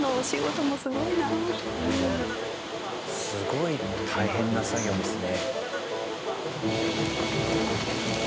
すごい大変な作業ですね。